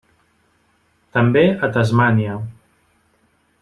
També a Tasmània.